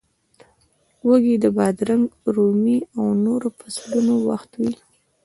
وږی د بادرنګ، رومي او نورو فصلونو وخت وي.